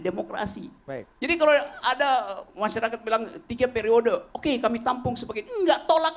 demokrasi baik jadi kalau ada masyarakat bilang tiga periode oke kami tampung sebagai enggak tolak